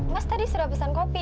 mas tadi sudah pesan kopi